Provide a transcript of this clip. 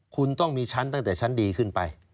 คุณต้องมีชั้นตั้งแต่ชั้นดีขึ้นไป